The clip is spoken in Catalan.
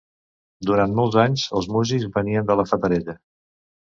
Durant molts anys, els músics venien de la Fatarella.